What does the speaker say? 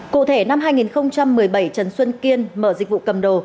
cụ thể năm hai nghìn một mươi bảy trần xuân kiên mở dịch vụ cầm đồ